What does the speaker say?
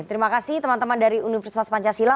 terima kasih teman teman dari universitas pancasila